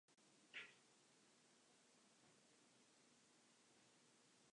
He also served as chairman of the Institute for Balkan Studies.